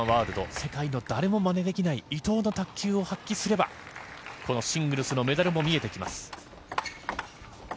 世界の誰もまねできない伊藤の卓球を発揮すればこのシングルスのメダルも見えてきます。